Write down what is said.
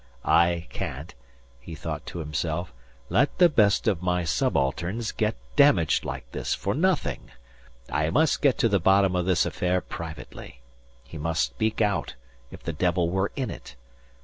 "I can't" he thought to himself "let the best of my subalterns get damaged like this for nothing. I must get to the bottom of this affair privately. He must speak out, if the devil were in it.